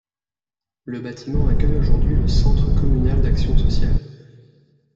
Le bâtiment accueille aujourd'hui le centre communal d'action sociale.